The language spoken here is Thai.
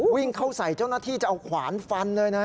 วิ่งเข้าใส่เจ้าหน้าที่จะเอาขวานฟันเลยนะ